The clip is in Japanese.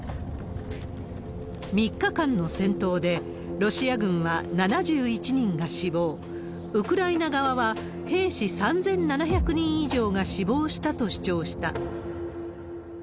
３日間の戦闘で、ロシア軍は７１人が死亡、ウクライナ側は兵士３７００人以上が死亡したと主張した。